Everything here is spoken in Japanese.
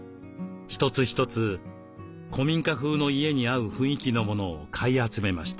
一つ一つ古民家風の家に合う雰囲気のものを買い集めました。